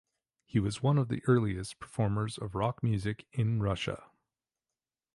He was one of the earliest performers of rock music in Russia.